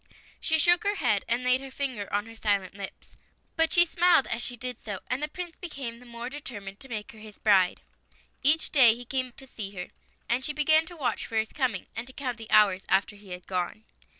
She shook her head, and laid her finger on her silent lips. But she smiled as she did so, and the Prince became the more determined, to make her his bride. Each day he came to see her, and she began to watch for his coming, and to count the hours after he had gone.